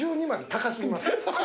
高過ぎます。